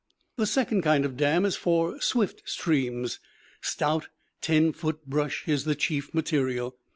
The second kind of dam is for swift streams. Stout, ten foot brush is the chief material.